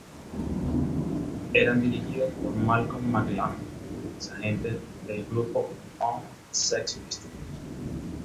Eran dirigidos por Malcolm McLaren, ex agente del grupo punk Sex Pistols.